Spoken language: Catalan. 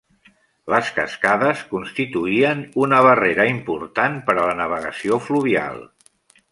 Les cascades constituïen una barrera important per a la navegació fluvial.